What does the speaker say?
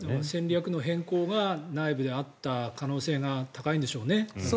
戦略の変更が内部であった可能性が高いんでしょうね。